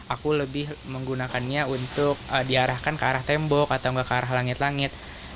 aku lebih menggunakannya untuk diarahkan ke arah tembok atau ke arah langit langit